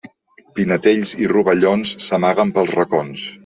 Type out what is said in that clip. Pinetells i rovellons s'amaguen pels racons.